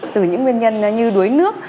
từ những nguyên nhân như đuối nước